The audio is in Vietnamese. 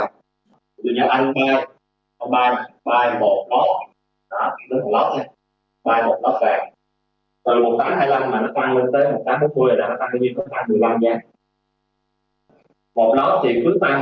như nhà anh nghe ông bài bài một lót